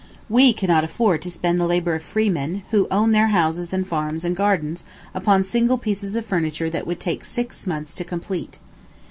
We cannot afford to spend the labor of freemen, who own their houses and farms and gardens, upon single pieces of furniture that would take six months to complete.